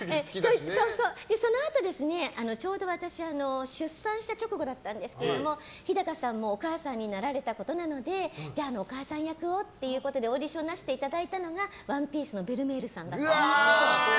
そのあと、ちょうど私出産した直後だったんですけど日高さんもお母さんになられたことなのでじゃあお母さん役をっていうことでオーディションなしでいただいたのが「ＯＮＥＰＩＥＣＥ」のベルメールさんだったんです。